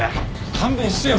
勘弁してよ。